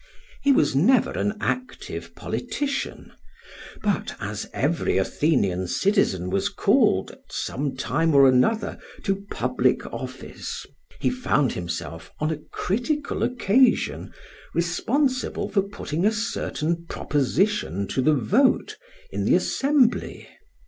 He was never an active politician; but as every Athenian citizen was called, at some time or another, to public office, he found himself, on a critical occasion, responsible for putting a certain proposition to the vote in the Assembly.